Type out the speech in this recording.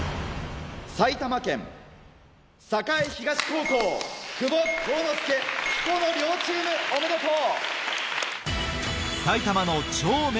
埼玉県・栄東高校久保滉之介・彦野遼チームおめでとう！